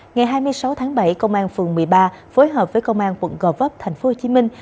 ngày hai mươi sáu tháng bảy công an phường một mươi ba phối hợp với công an quận gò vấp thành phố hồ chí minh